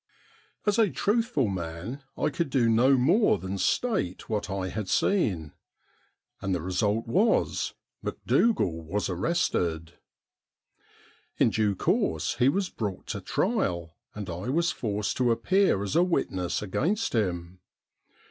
As a truthful man I could do no more than state what I had seen, and the result was Macdougal was arrested. In due course he was brought to trial, and I was forced to appear as a witness against him.